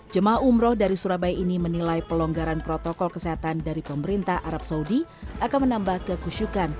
jemaah umroh dari surabaya ini menilai pelonggaran protokol kesehatan dari pemerintah arab saudi akan menambah kekusyukan